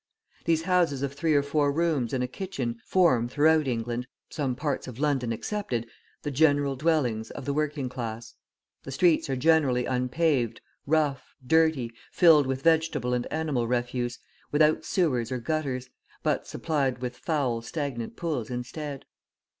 These houses of three or four rooms and a kitchen form, throughout England, some parts of London excepted, the general dwellings of the working class. The streets are generally unpaved, rough, dirty, filled with vegetable and animal refuse, without sewers or gutters, but supplied with foul, stagnant pools instead.